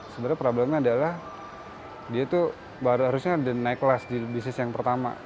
sebenarnya problemnya adalah dia tuh baru harusnya the naik kelas di bisnis yang pertama